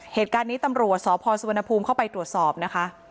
เหตุการณ์นี้ตำรวจสพสุวรรณภูมิเข้าไปตรวจสอบนะคะ